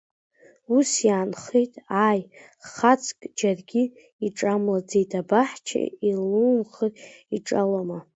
Ус иаанхеит, ааи, хацк џьаргьы иҿамлаӡеит, абаҳча еилумхыр иҿалома!